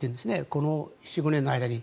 この４５年の間に。